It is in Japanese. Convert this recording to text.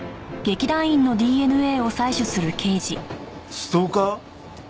ストーカー？